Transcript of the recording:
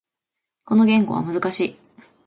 この言語は難しい。